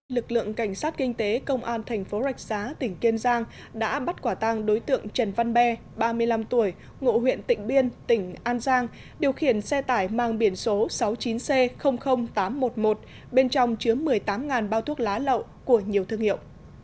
lực lượng cảnh sát kinh tế công an thành phố rạch giá tỉnh kiên giang đã bắt quả tăng đối tượng trần văn be ba mươi năm tuổi ngộ huyện tịnh biên tỉnh an giang điều khiển xe tải mang biển số sáu mươi chín c tám trăm một mươi một bên trong chứa một mươi tám bao thuốc lá lậu của nhiều thương hiệu